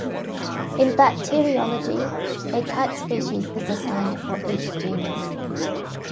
In bacteriology, a type species is assigned for each genus.